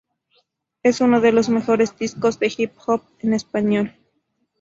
Es uno de los mejores discos de hip-hop en español.